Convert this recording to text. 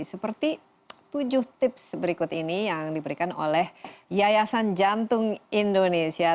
seperti tujuh tips berikut ini yang diberikan oleh dr amelia